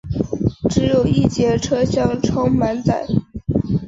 只有一节车厢超满载